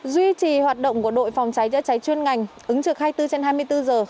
duy trì hoạt động của đội phòng trái trịa trái chuyên ngành ứng trực hai mươi bốn trên hai mươi bốn giờ